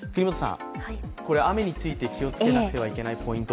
雨について、気をつけなくてはいけないポイント